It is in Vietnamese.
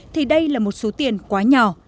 thì đây là một số tiền quá nhỏ